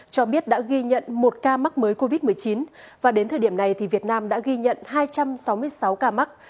cho biết đã ghi nhận một ca mắc mới covid một mươi chín và đến thời điểm này việt nam đã ghi nhận hai trăm sáu mươi sáu ca mắc